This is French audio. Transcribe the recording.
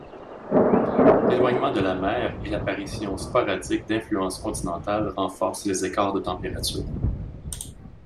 L'éloignement de la mer et l'apparition sporadique d'influences continentales renforcent les écarts de température.